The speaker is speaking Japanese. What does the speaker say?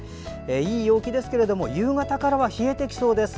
いい陽気ですが夕方から冷えてきそうです。